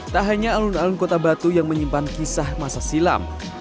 tak hanya alun alun kota batu yang menyimpan kisah masa silam